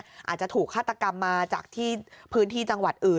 อาจจะถูกฆาตกรรมมาจากที่พื้นที่จังหวัดอื่น